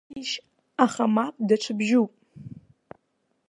Сишь, аха мап, даҽа бжьуп.